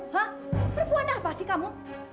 hah perempuan apa sih kamu